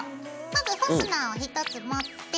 まずファスナーを１つ持って。